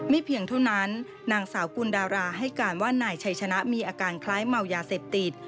เพียงเท่านั้นนางสาวกุลดาราให้การว่านายชัยชนะมีอาการคล้ายเมายาเสพติด